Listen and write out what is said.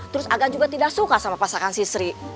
terus agan juga tidak suka sama pasangan si sri